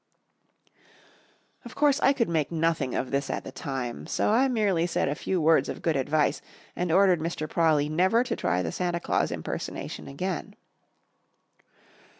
Of course, I could make nothing of this at the time, so I merely said a few words of good advice, and ordered Mr. Prawley never to try the Santa Claus impersonation again.